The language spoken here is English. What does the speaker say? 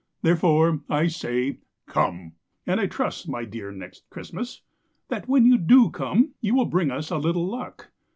Therefore, I say "Come," And I trust, my dear Next Christmas, That when you do come You will bring us a little luck.